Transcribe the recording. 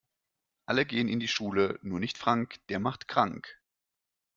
Alle gehen in die Schule, nur nicht Frank, der macht krank.